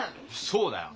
そうだよ。